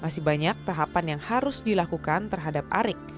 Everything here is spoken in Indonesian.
masih banyak tahapan yang harus dilakukan terhadap arik